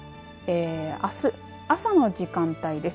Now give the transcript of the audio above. あす朝の時間帯です。